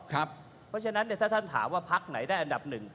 เพราะฉะนั้นถ้าท่านถามว่าพักไหนได้อันดับหนึ่ง